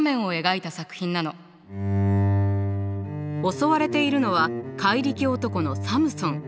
襲われているのは怪力男のサムソン。